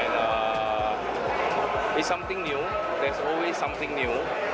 ini adalah sesuatu yang baru ada selalu sesuatu yang baru